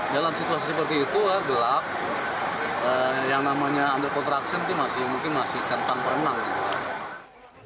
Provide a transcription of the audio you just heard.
dalam situasi seperti itu gelap yang namanya under contraction itu mungkin masih centang pernah